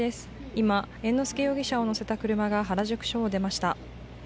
今、猿之助容疑者を乗せた車が原宿署を出ました。